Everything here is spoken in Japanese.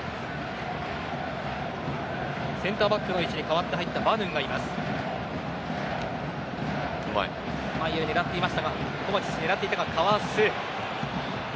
センターバックの位置に代わって入ったバヌンがいます。